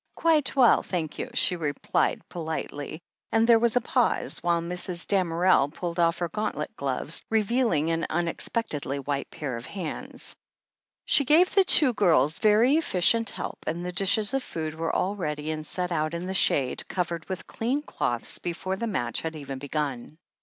"Quite well, thank you," she replied politely, and 276 THE HEEL OF ACHILLES there was a pause, while Mrs. Damerel pulled off her gauntlet gloves, revealing an unexpectedly white pair of hands. She gave the two girls very efficient help, and the dishes of food were all ready and set out in the shade, covered with clean cloths, before the match had even begun.